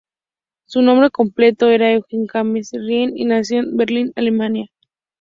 Su nombre completo era Eugen Johannes Riemann, y nació en Berlín, Alemania.